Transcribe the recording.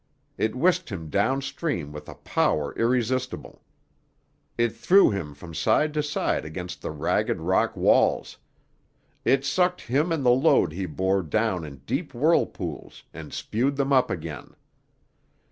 It whisked him downstream with a power irresistible. It threw him from side to side against the ragged rock walls. It sucked him and the load he bore down in deep whirlpools and spewed them up again.